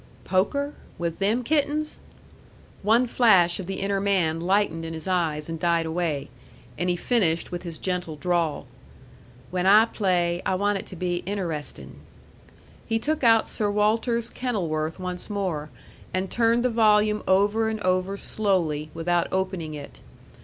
"Poker? With them kittens?" One flash of the inner man lightened in his eyes and died away, and he finished with his gentle drawl, "When I play, I want it to be interestin'." He took out Sir Walter's Kenilworth once more, and turned the volume over and over slowly, without opening it.